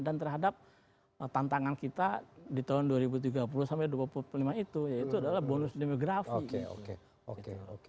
dan terhadap tantangan kita di tahun dua ribu tiga puluh sampai dua ribu dua puluh lima itu yaitu adalah bonus demografi